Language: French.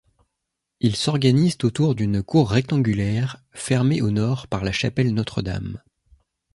Ils s'organisent autour d'une cour rectangulaire, fermée au nord par la chapelle Notre-Dame.